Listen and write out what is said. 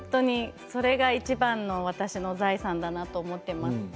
それがいちばん私の財産だなと思っています。